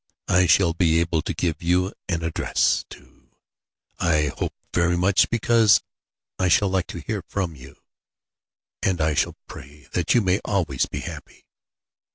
I shall be able to give you an address, too, I hope very much, because I should like to hear from you. And I shall pray that you may always be happy.